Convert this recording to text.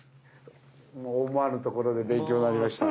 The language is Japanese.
もう思わぬところで勉強になりました。